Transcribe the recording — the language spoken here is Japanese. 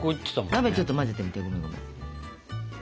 鍋ちょっと混ぜてみてごめんごめん。